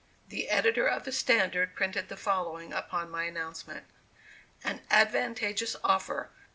The editor of the Standard printed the following upon my announcement: "AN ADVANTAGEOUS OFFER.